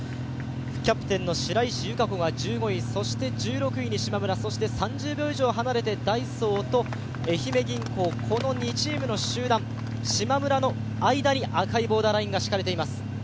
キャプテンの白石由佳子が１５位、そして１６位にしまむら、そして３０秒以上離れてダイソーと愛媛銀行、この２チームの集団、しまむらの間に赤いボーダーラインが引かれています。